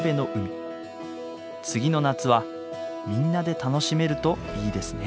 次の夏はみんなで楽しめるといいですね。